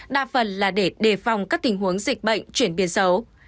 đa phần là để đề phòng các tình huống dịch bệnh chuyển biến xấu